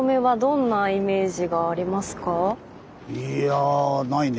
いやあないね。